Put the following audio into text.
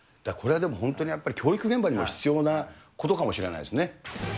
これはでも、本当に教育現場にも必要なことかもしれないですね。